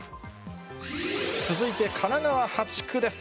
続いて神奈川８区です。